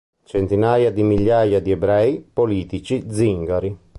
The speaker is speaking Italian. Centinaia di migliaia di ebrei, politici, zingari...